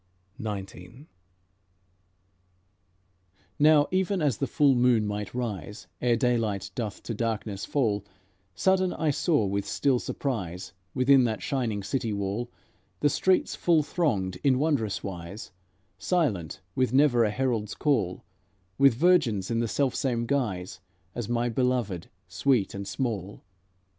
XIX Now, even as the full moon might rise Ere daylight doth to darkness fall, Sudden I saw with still surprise Within that shining city wall, The streets full thronged in wondrous wise, Silent, with never a herald's call, With virgins in the selfsame guise As my beloved, sweet and small.